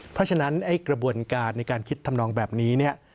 เพราะฉะนั้นไอ้กระบวนการในการคิดทำนองแบบนี้เนี่ย